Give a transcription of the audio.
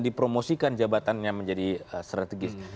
dipromosikan jabatannya menjadi strategis